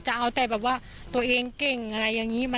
ก็กลายเป็นว่าติดต่อพี่น้องคู่นี้ไม่ได้เลยค่ะ